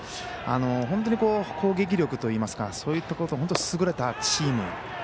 本当に攻撃力といいますかそういったところが本当に優れたチーム。